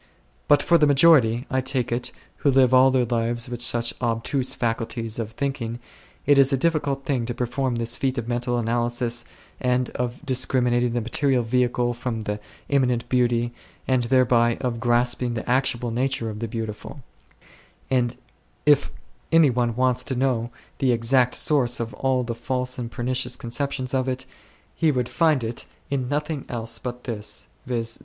But for the majority, I take it, who live all their lives with such obtuse faculties of thinking, it is a difficult thing to perform this feat of mental analysis and of discriminating the material vehicle from the immanent beauty, and thereby of grasping the actual nature of the Beautiful ; and if any one wants to know the exact source of all the false and pernicious conceptions of it, he would find it in nothing else but this, viz.